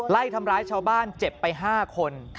ไล่ทำร้ายชาวบ้านเจ็บไป๕คน